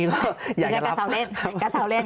อยากรับ